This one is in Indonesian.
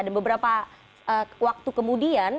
dan beberapa waktu kemudian